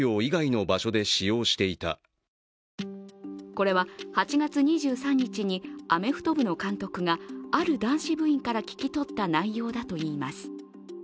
これは、８月２３日にアメフト部の監督がある男子部員から聞き取った内容だといいます。